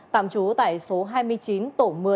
tạm trú tại số hai mươi chín tổ một mươi